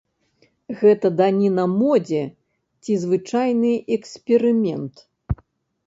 Гэта даніна модзе ці звычайны эксперымент?